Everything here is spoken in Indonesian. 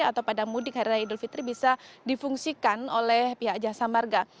atau pada mudik hari raya idul fitri bisa difungsikan oleh pihak jasa marga